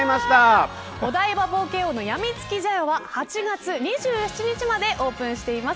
お台場冒険王のやみつき茶屋は８月２７日までオープンしています。